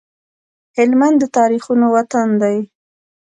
هلمند د تاريخونو وطن دی